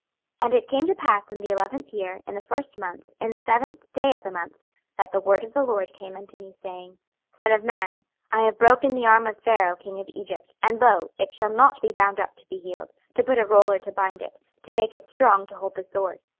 26:030:020 And it came to pass in the eleventh year, in the first month, in the seventh day of the month, that the word of the LORD came unto me, saying, 26:030:021 Son of man, I have broken the arm of Pharaoh king of Egypt; and, lo, it shall not be bound up to be healed, to put a roller to bind it, to make it strong to hold the sword.